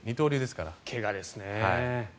怪我ですね。